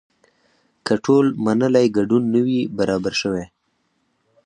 که ټول منلی ګډون نه وي برابر شوی.